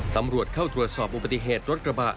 ตำรวจเข้าตรวจสอบอุบัติเหตุรถกระบะ